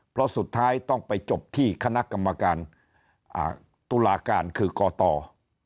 เพราะสุดท้ายต้องไปจบที่คณะกรรมการตุลาการคือกต